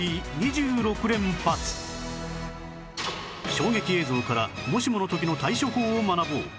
衝撃映像からもしもの時の対処法を学ぼう